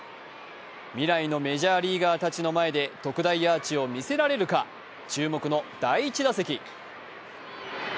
未来のメジャーリーガーたちの前で特大アーチを見せられるか注目の第１打席。